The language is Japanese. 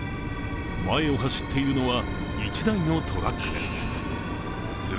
前を走っているのは一台のトラックです。